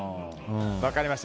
分かりました。